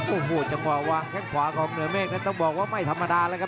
โอ้โหจังหวะวางแข้งขวาของเหนือเมฆนั้นต้องบอกว่าไม่ธรรมดาแล้วครับ